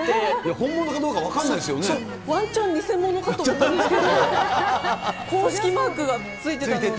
本物かどうか分かんないですそう、ワンチャン偽物かと思ったんですけど、公式マークがついてたので。